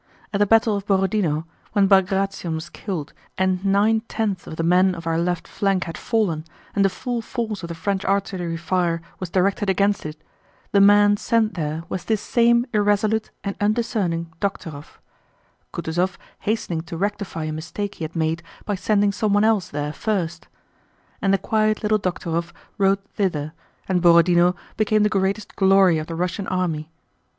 At the battle of Borodinó, when Bagratión was killed and nine tenths of the men of our left flank had fallen and the full force of the French artillery fire was directed against it, the man sent there was this same irresolute and undiscerning Dokhtúrov—Kutúzov hastening to rectify a mistake he had made by sending someone else there first. And the quiet little Dokhtúrov rode thither, and Borodinó became the greatest glory of the Russian army.